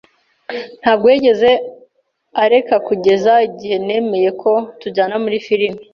Ntabwo yigeze areka kugeza igihe nemeye ko tujyana muri firime.